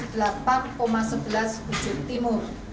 dan satu ratus delapan sebelas ujur timur